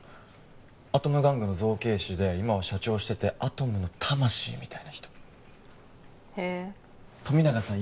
アトム玩具の造形師で今は社長しててアトムの魂みたいな人へえ富永さん